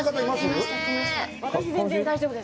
私、全然、大丈夫です。